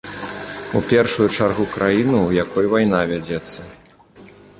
У першую чаргу краіну, у якой вайна вядзецца.